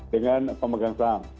dengan pemegang saham